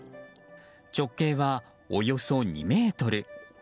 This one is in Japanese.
直径はおよそ２ｍ。